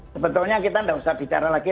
sebetulnya kita tidak usah bicara lagi